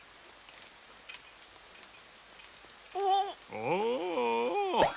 おお。